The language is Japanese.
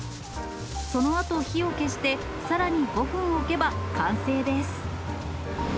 そのあと火を消して、さらに５分置けば完成です。